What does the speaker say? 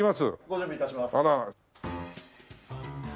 ご準備致します。